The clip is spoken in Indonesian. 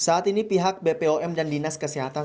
saat ini pihak bpom dan dinas kesehatan